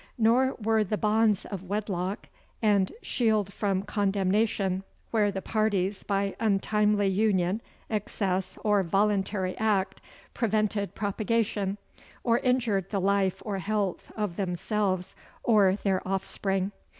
Nor were the bonds of wedlock and shield from condemnation, where the parties, by untimely union, excess, or voluntary act, prevented propagation, or injured the life or health of themselves or their offspring.